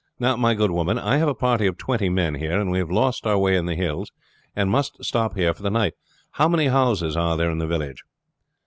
Now, my good woman, I have a party of twenty men here, and we have lost our way in the hills, and must stop here for the night. How many houses are there in the village?"